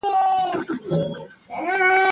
موږ د خپل کلتور رنګ نه پیکه کوو.